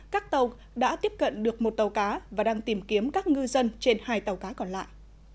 các tàu đã tiếp cận được một tàu cá và đang tìm kiếm các ngư dân trên hai tàu cá còn lại